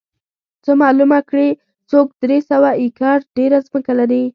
څو معلومه کړي څوک درې سوه ایکره ډېره ځمکه لري